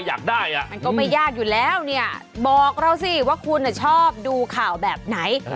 อยากได้อ่ะมันก็ไม่ยากอยู่แล้วเนี่ยบอกเราสิว่าคุณชอบดูข่าวแบบไหน